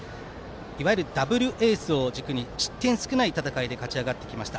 いわゆるダブルエースを軸に失点が少ない戦いで勝ち上がってきました。